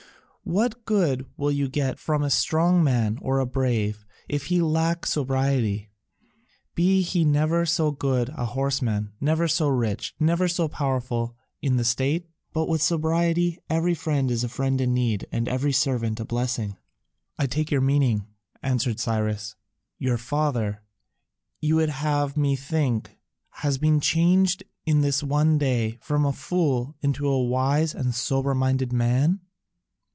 What good will you get from a strong man or a brave if he lack sobriety, be he never so good a horseman, never so rich, never so powerful in the state? But with sobriety every friend is a friend in need and every servant a blessing." "I take your meaning," answered Cyrus; "your father, you would have me think, has been changed in this one day from a fool into a wise and sober minded man?"